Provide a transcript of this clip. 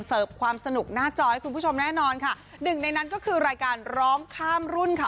ความสนุกหน้าจอให้คุณผู้ชมแน่นอนค่ะหนึ่งในนั้นก็คือรายการร้องข้ามรุ่นค่ะ